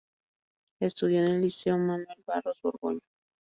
Estudió en el Liceo Manuel Barros Borgoño.